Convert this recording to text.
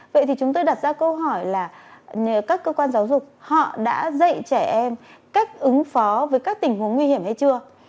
vậy thì chúng tôi đặt ra câu hỏi là các cơ quan giáo dục họ đã dạy trẻ em cách ứng phó với các tình huống nguy hiểm hay chưa